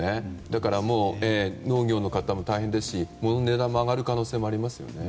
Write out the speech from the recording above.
だから農業の方も大変ですし物の値段も上がる可能性がありますよね。